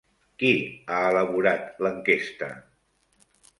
Qui ha elaborat l'enquesta?